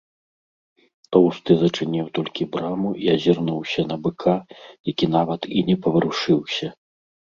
Тоўсты зачыніў толькі браму і азірнуўся на быка, які нават і не паварушыўся.